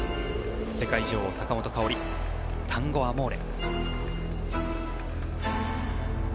世界女王、坂本花織「タンゴ・アモーレ」。